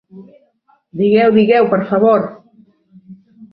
-Digueu, digueu, per favor!